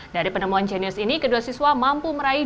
dari penemuan jenius ini kedua siswa mampu meraih